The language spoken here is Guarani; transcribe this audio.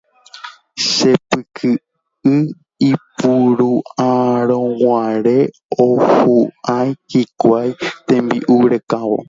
Chekypy'y ipuru'ãrõguare ohua'ĩ hikuái tembi'u rekávo.